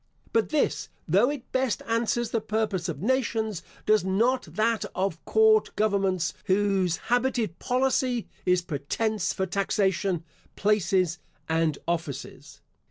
But this, though it best answers the purpose of nations, does not that of court governments, whose habited policy is pretence for taxation, places, and offices.